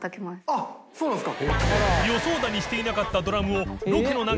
あっそうなんですか？